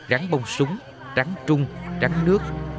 rắn bông súng rắn trung rắn nước